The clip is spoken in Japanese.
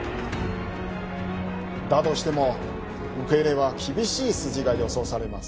だとしても受け入れは厳しい数字が予想されます